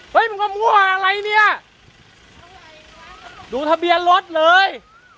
มันก็มั่วอะไรเนี่ยดูทะเบียนรถเลย